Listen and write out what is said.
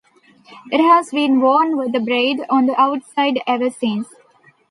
It has been worn with the braid on the outside ever since.